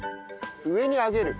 上に上げる。